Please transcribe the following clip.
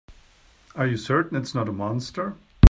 Are you certain it's not a monster?